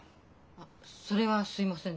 あっそれはすいませんでした。